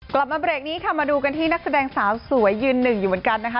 กลับมาเบรกนี้ค่ะมาดูกันที่นักแสดงสาวสวยยืนหนึ่งอยู่เหมือนกันนะคะ